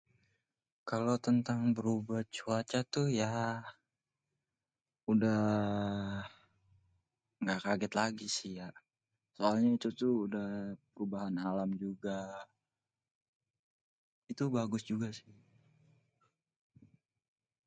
Kalo tentang perubahan cuaca tuh ya udah gak kagét lagi sih yak. Soalnya itu tuh udah perubahan alam juga. Itu bagus juga sih.